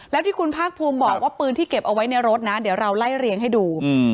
แล้วที่คุณภาคภูมิบอกว่าปืนที่เก็บเอาไว้ในรถนะเดี๋ยวเราไล่เรียงให้ดู